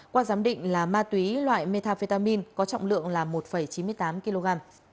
qua giám định là ma túy loại metafetamin có trọng lượng là một chín mươi tám kg